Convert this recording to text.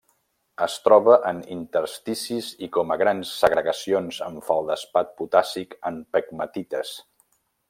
Es troba en intersticis i com a grans segregacions en feldespat potàssic en pegmatites.